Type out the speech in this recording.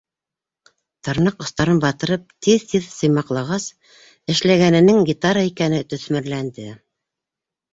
Тырнаҡ остарын батырып тиҙ-тиҙ сыймаҡлағас, эшләгәненең гитара икәне төҫмөрләнде.